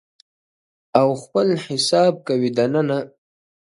• او خپل حساب کوي دننه..